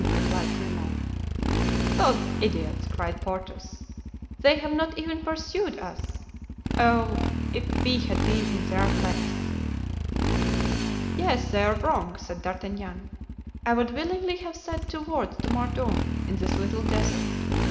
replied Grimaud. "Those idiots!" cried Porthos, "they have not even pursued us. Oh! if we had been in their place!" "Yes, they are wrong," said D'Artagnan. "I would willingly have said two words to Mordaunt in this little desert.